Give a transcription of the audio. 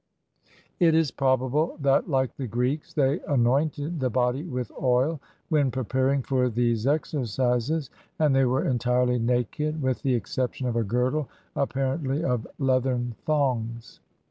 It is probable that, like the Greeks, they anointed the body with oil, when preparing for these exercises, and they were entirely naked, with the exception of a girdle, apparently of leathern thongs.